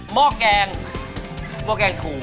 หม้อกแกงหม้อกแกงถูก